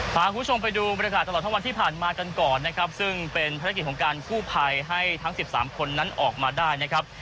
ขาวคุณไปดูบริการตลอดทั้งวันที่ผ่านมากันก่อนนะครับซึ่งเป็นบริการของการผู้พัยให้ทั้งสิบสามคนนั้นออกมาได้นะครับ